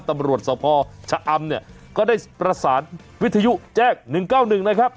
ตำรวจสภชะอำเนี่ยก็ได้ประสานวิทยุแจ้ง๑๙๑นะครับ